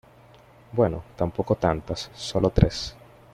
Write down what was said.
bueno, tampoco tantas , solo tres.